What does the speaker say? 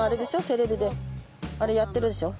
テレビであれやってるでしょ？